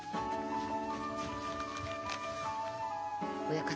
親方。